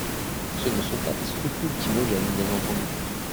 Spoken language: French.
Ce ne sont pas les scrupules qui me gênent, bien entendu.